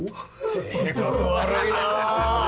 性格悪いなぁ！